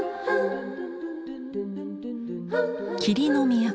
霧の都